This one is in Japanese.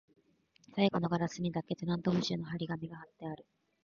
最後のガラスにだけ、テナント募集の張り紙が張ってある